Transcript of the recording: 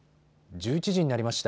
１１時になりました。